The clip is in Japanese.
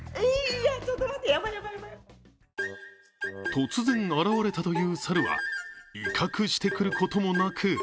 突然現れたという猿は威嚇してくることもなく